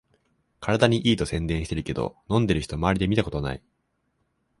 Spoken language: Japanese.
体にいいと宣伝してるけど、飲んでる人まわりで見たことない